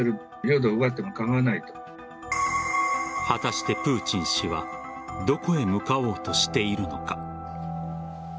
果たしてプーチン氏はどこへ向かおうとしているのか。